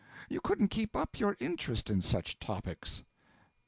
You couldn't keep up your interest in such topics.